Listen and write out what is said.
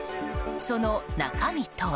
その中身とは？